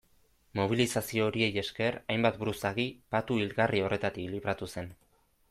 Mobilizazio horiei esker hainbat buruzagi patu hilgarri horretatik libratu zen.